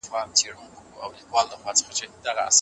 په لویه جرګه کي د کورنیو رسنیو استازي څوک دي؟